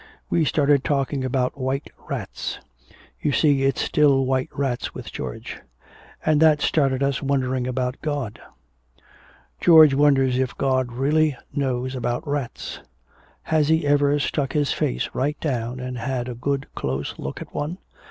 "We started talking about white rats you see it's still white rats with George and that started us wondering about God. George wonders if God really knows about rats. 'Has he ever stuck his face right down and had a good close look at one?